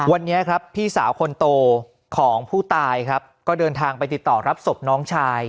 วันนี้ครับพี่สาวคนโตของผู้ตายครับก็เดินทางไปติดต่อรับศพน้องชาย